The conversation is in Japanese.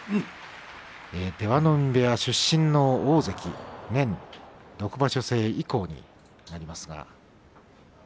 出羽海部屋出身の大関年６場所制以降になりますが。